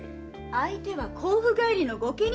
相手は甲府帰りの御家人だよ。